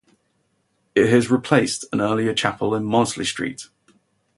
It has replaced an earlier chapel in Mosley Street.